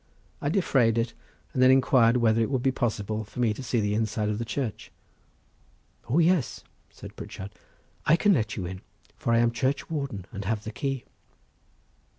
I defrayed it, and then inquired whether it would be possible for me to see the inside of the church. "O yes," said Pritchard. "I can let you in, for I am churchwarden and have the key."